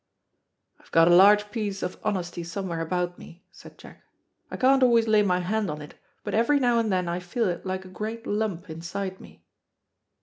"I've got a large piece of honesty somewhere about me," said Jack. "I can't always lay my hand on it, but every now and then I feel it like a great lump inside me."